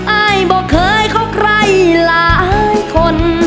อายบอกเคยคบใครหลายคน